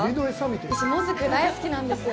私、もずく、大好きなんですよ。